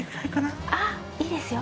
あっいいですよ。